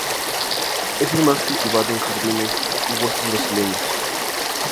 Es el más cultivado en jardines y huertos brasileños.